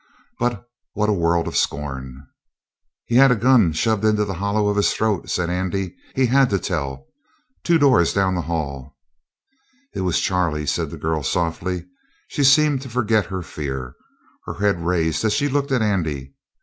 But what a world of scorn! "He had a gun shoved into the hollow of his throat," said Andy. "He had to tell two doors down the hall " "It was Charlie!" said the girl softly. She seemed to forget her fear. Her head raised as she looked at Andy.